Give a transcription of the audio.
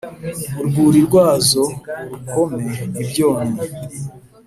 urwuri rwazo urukome ibyonnyi